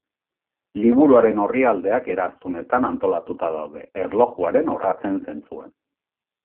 Liburuaren orrialdeak eraztunetan antolatuta daude, erlojuaren orratzen zentzuan.